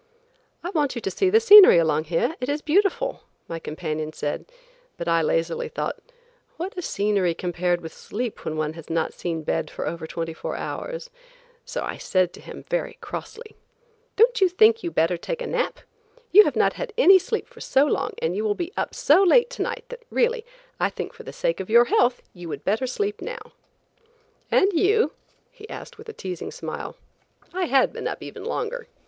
"I want you to see the scenery along here; it is beautiful," my companion said, but I lazily thought, "What is scenery compared with sleep when one has not seen bed for over twenty four hours?" so I said to him, very crossly: "Don't you think you would better take a nap? You have not had any sleep for so long and you will be up so late to night, that, really, I think for the sake of your health you would better sleep now." "And you?" he asked with a teasing smile. I had been up even longer.